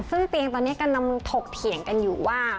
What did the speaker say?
ซึ่งเตียงตอนนี้กำลังถกเถียงกันอยู่ว่า